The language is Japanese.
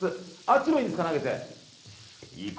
あっちにいいんですか、投げて。